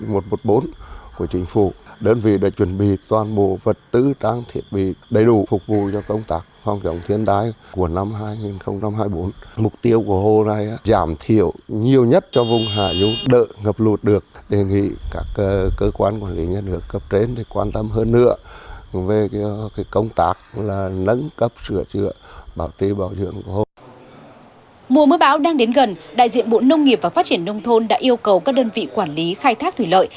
mùa mưa bão đang đến gần đại diện bộ nông nghiệp và phát triển nông thôn đã yêu cầu các đơn vị quản lý khai thác thủy lợi